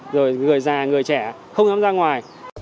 rồi người già người trẻ không dám ra ngoài